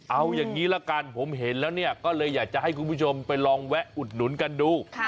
เอาอย่างนี้ละกันผมเห็นแล้วเนี่ยก็เลยอยากจะให้คุณผู้ชมไปลองแวะอุดหนุนกันดู